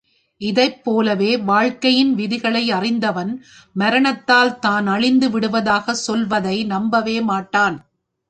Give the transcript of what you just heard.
இதைப் போலவே வாழ்க்கையின் விதிகளை அறிந்தவன், மரணத்தால் தான் அழிந்து விடுவதாகச் சொல்வதை நம்பவே மாட்டான்.